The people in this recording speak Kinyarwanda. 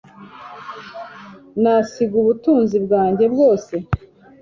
Nasiga ubutunzi bwanjye bwose